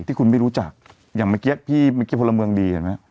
ที่คุณไม่รู้จักอย่างเมื่อกี้พี่เมื่อกี้พลเมืองดีเห็นไหม